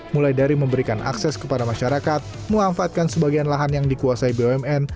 mulai dari memberikan akses kepada masyarakat memanfaatkan sebagian lahan yang dikuasai bumn